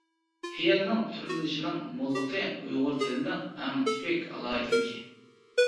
پېئىلنىڭ تۈرلىنىشىنىڭ موللىقى ئۇيغۇر تىلىنىڭ ئەڭ تىپىك ئالاھىدىلىكى.